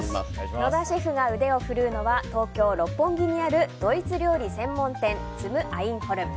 野田シェフが腕を振るうのは東京・六本木にあるドイツ料理専門店ツム・アインホルン。